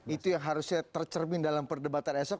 itu yang harusnya tercermin dalam perdebatan esok